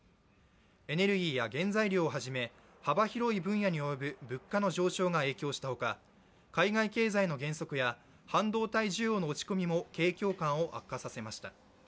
エネルギーや原材料をはじめ幅広い分野に及ぶ物価の上昇が影響したほか海外経済の減速や、半導体需要の落ち込みも景況感を悪化させました。